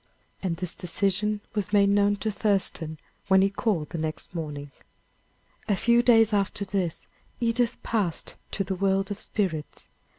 And this decision was made known to Thurston when he called the next morning. A few days after this Edith passed to the world of spirits.